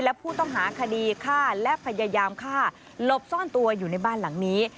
และผู้ต้องหาคดีฆ่าและพยายามฆ่าหลบซ่อนตัวอยู่ในบ้านหลังนี้